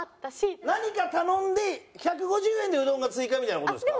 何か頼んで１５０円でうどんが追加みたいな事ですか？